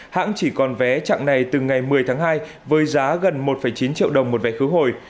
hãng chỉ còn vé chặng này từ ngày một mươi tháng hai với giá gần một chín triệu đồng một vé khứ hồi